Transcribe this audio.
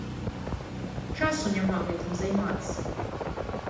Часу няма гэтым займацца.